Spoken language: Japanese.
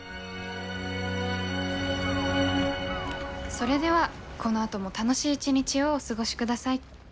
それではこのあとも楽しい一日をお過ごしください。